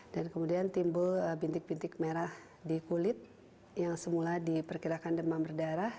dan kemudian timbul bintik bintik merah di kulit yang semula diperkirakan demam berdarah